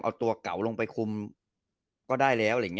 เอาตัวเก่าลงไปคุมก็ได้แล้ว